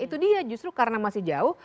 itu dia justru karena masih jauh